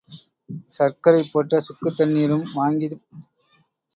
சர்க்கரைப் போட்ட சுக்குத் தண்ணிரும் வாங்கி வாருங்கள் என்று கூறிச் சிரித்தாள்.